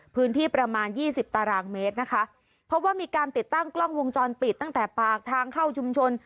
พื้นที่ประมาณยี่สิบตารางเมตรนะคะเพราะว่ามีการติดตั้งกล้องวงจรปิดตั้งแต่ปากทางเข้าชุมชน